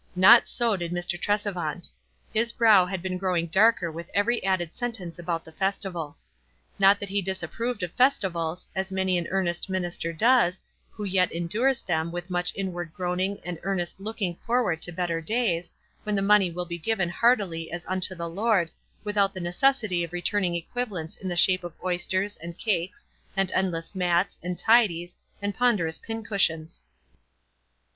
Not so did Mr. Tresevant. His brow had been growing darker with every added sen tence about the festival. Not that he disap proved of festivals, as many an earnest minister does, who yet endures them, with much inward groaning and earnest looking forward to better days, when the money will be given heartily, "as unto the Lord," without the necessity of returning equivalents in the shape of oysters, and cakes, and endless mats, and tidies, and ponderous pin cushions.